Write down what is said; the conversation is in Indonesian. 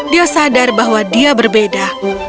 dia sadar bahwa dia berbeda